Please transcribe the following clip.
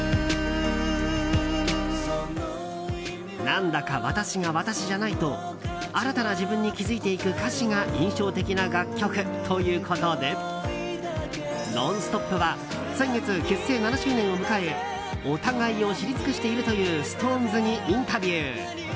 「なんだか“わたし”がわたしじゃない」と新たな自分に気づいていく歌詞が印象的な楽曲ということで「ノンストップ！」は先月、結成７周年を迎えお互いを知り尽くしているというＳｉｘＴＯＮＥＳにインタビュー。